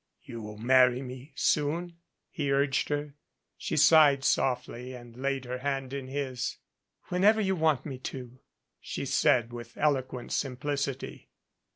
"You will marry me soon?" he urged her. She sighed softly and laid her hand in his. "Whenever you want me to," she said, with eloquent simplicity.